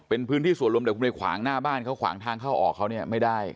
เป็นพื้นที่ส่วนรวมแต่คุณไปขวางหน้าบ้านเขาขวางทางเข้าออกเขาเนี่ยไม่ได้